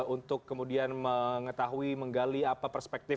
untuk kemudian mengetahui menggali apa perspektif